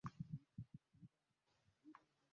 Omwezi n'enjuba kiki ekisinga omugaso?